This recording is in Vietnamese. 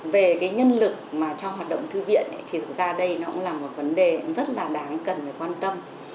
về cái nhân lực mà trong hoạt động thư viện thì thực ra đây nó cũng là một vấn đề rất là đáng cần phải quan tâm